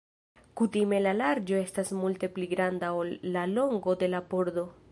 Kutime la larĝo estas multe pli granda ol la longo de la pordo.